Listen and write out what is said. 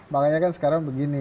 makanya kan sekarang begini